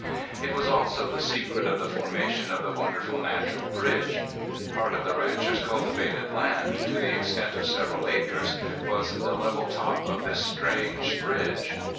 It was also the secret of the formation of the wonderful Natural Bridge. Part of the rancher's cultivated land, to the extent of several acres, was the level top of this strange bridge.